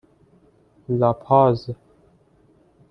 لاپاز